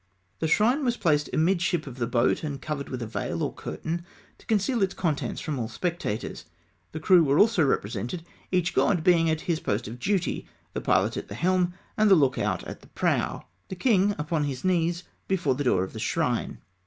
The shrine was placed amidship of the boat, and covered with a veil, or curtain, to conceal its contents from all spectators. The crew were also represented, each god being at his post of duty, the pilot at the helm, the look out at the prow, the king upon his knees before the door of the shrine.